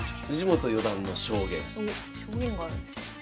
おっ証言があるんですね。